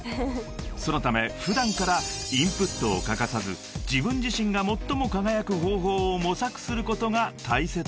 ［そのため普段からインプットを欠かさず自分自身が最も輝く方法を模索することが大切なのです］